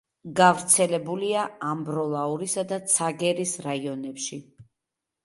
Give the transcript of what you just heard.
გავრცელებულია ამბროლაურისა და ცაგერის რაიონებში.